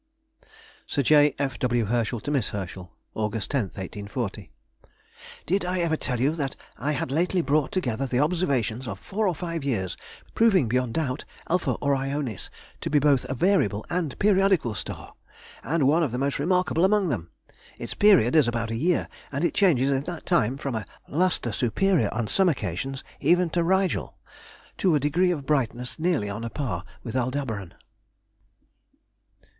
SIR J. F. W. HERSCHEL TO MISS HERSCHEL. August 10, 1840. ... Did I ever tell you that I had lately brought together the observations of four or five years, proving beyond all doubt α Orionis to be both a variable and a periodical star, and one of the most remarkable among them? Its period is about a year, and it changes in that time from a lustre superior on some occasions even to Rigel, to a degree of brightness nearly on a par with Aldebaran.